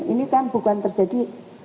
ini kan bukan terjadi